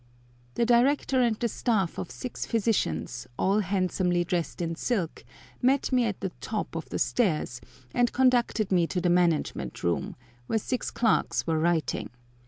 The Director and the staff of six physicians, all handsomely dressed in silk, met me at the top of the stairs, and conducted me to the management room, where six clerks were writing.